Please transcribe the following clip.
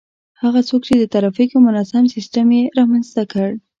هغه څوک چي د ترافیکو منظم سیستم يې رامنځته کړ